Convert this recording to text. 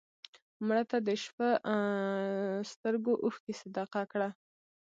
مړه ته د شپه سترګو اوښکې صدقه کړه